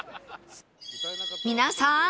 皆さん！